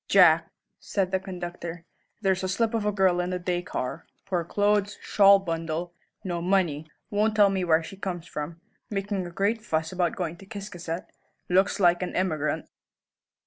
"Jack," said the conductor, "there's a slip of a girl in the day car poor clothes, shawl bundle, no money, won't tell where she comes from, making a great fuss about going to Ciscasset, looks like an emigrant."